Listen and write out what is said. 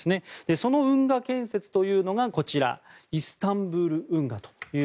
その運河建設というのがこちらイスタンブール運河。